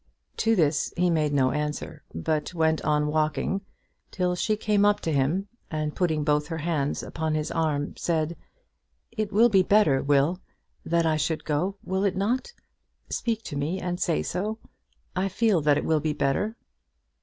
To this he made no answer, but went on walking till she came up to him, and putting both her hands upon his arm said, "It will be better, Will, that I should go; will it not? Speak to me, and say so. I feel that it will be better."